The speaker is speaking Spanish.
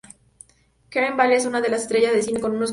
Kathryn Vale es una es una estrella de cine con un oscuro pasado.